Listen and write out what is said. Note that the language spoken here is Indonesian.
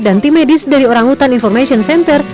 dan tim medis dari orangutan information center